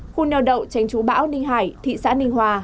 khu nheo đậu tránh trú bão ninh hải thị xã ninh hòa